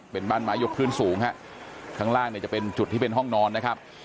เป็นบ้านไม้ยกพื้นสูงฮะข้างล่างเนี่ยจะเป็นจุดที่เป็นห้องนอนนะครับ